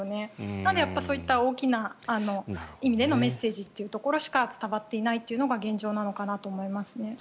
なのでそういった大きな意味でのメッセージというところでしか伝わっていないというのが現状なんだと思いますね。